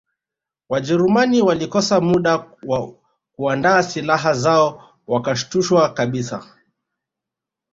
Wajerumani walikosa muda wa kuandaa silaha zao wakashtushwa kabisa